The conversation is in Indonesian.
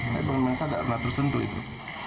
tapi memang tidak pernah tersentuh itu